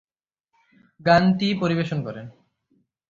গানটি পরিবেশন করেন।